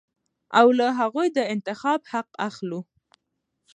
او له هغوى د انتخاب حق اخلو.